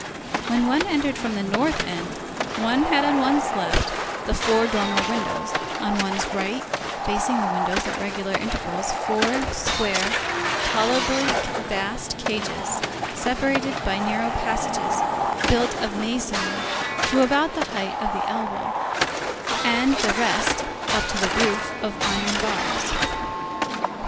When one entered from the north end, one had on one's left the four dormer windows, on one's right, facing the windows, at regular intervals, four square, tolerably vast cages, separated by narrow passages, built of masonry to about the height of the elbow, and the rest, up to the roof, of iron bars.